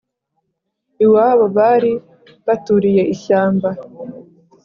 iwabo bari baturiye ishyamba